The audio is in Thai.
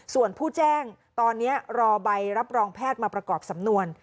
ส่วนผู้แจ้งตอนนี้รอใบรับรองแพทย์มาประกอบสำนวน